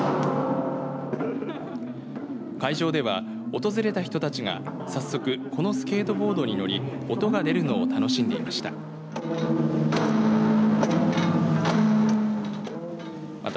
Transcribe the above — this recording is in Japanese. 会場では訪れた人たちが早速このスケートボードに乗り音が出るのを楽しんでいました。